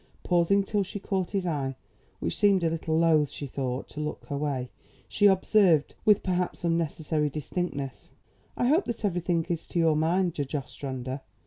Pausing till she caught his eye, which seemed a little loth, she thought, to look her way, she observed, with perhaps unnecessary distinctness: "I hope that everything is to your mind, Judge Ostrander.